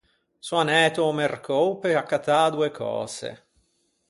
Son anæto a-o mercou pe accattâ doe cöse.